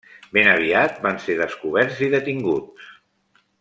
Ben aviat van ser descoberts i detinguts.